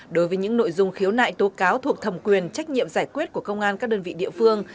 đối với những nội dung khiếu nại tố cáo thuộc thẩm quyền trách nhiệm giải quyết của công an các đơn vị địa phương